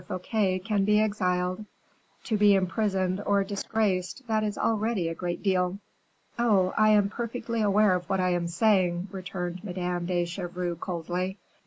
Fouquet can be exiled; to be imprisoned or disgraced, that is already a great deal." "Oh, I am perfectly aware of what I am saying," returned Madame de Chevreuse, coldly.